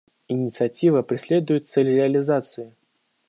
Инициатива преследует цель реализации.